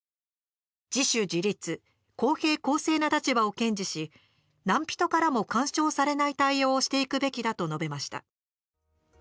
自主・自律、公平・公正な立場を堅持し何人からも干渉されない対応をしていくべきだと述べました。